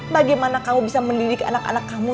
bagaimana kamu bisa mendidik anak anak kamu